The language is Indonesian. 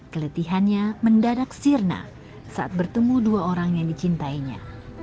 keletihannya mendadak sirna saat bertemu dua orang yang dicintainya